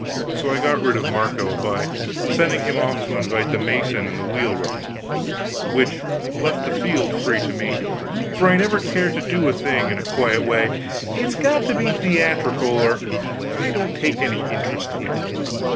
So I got rid of Marco, by sending him off to invite the mason and the wheelwright, which left the field free to me. For I never care to do a thing in a quiet way; it's got to be theatrical or I don't take any interest in it.